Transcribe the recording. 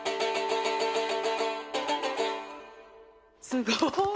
すごい！